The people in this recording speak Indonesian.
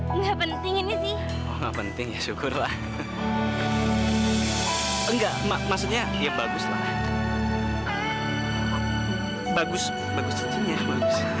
enggak maksudnya yang baguslah bagus bagus cincinnya